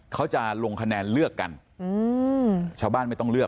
เขาจะลงคะแนนเลือกกันชาวบ้านไม่ต้องเลือก